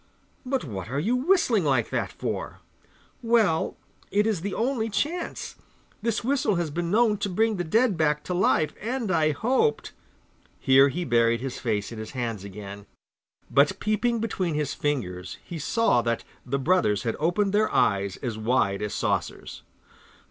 'But what are you whistling like that for?' 'Well, it is the only chance. This whistle has been known to bring the dead back to life, and I hoped ' here he buried his face in his hands again, but peeping between his fingers he saw that the brother had opened their six eyes as wide as saucers.